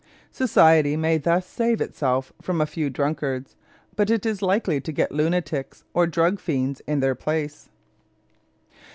Society may thus save itself from a few drunkards, but is likely to get lunatics or "drug fiends" in their places.